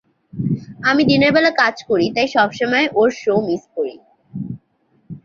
আমি দিনের বেলা কাজ করি তাই সবসময় ওর শো মিস করি।